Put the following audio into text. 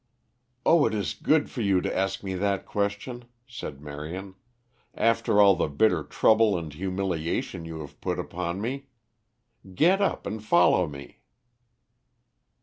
"Oh, it is good for you to ask me that question," said Marion, "after all the bitter trouble and humiliation you have put upon me. Get up and follow me."